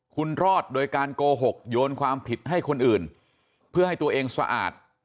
คุณรอดโดยการโกหกโยนความผิดให้คนอื่นเพื่อให้ตัวเองสะอาด